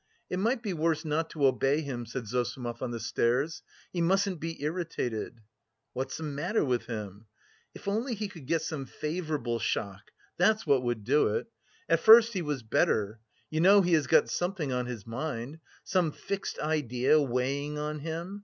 "It might be worse not to obey him," said Zossimov on the stairs. "He mustn't be irritated." "What's the matter with him?" "If only he could get some favourable shock, that's what would do it! At first he was better.... You know he has got something on his mind! Some fixed idea weighing on him....